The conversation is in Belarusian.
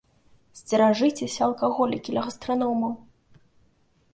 Сцеражыцеся, алкаголікі ля гастраномаў!